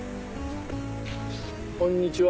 こんにちは。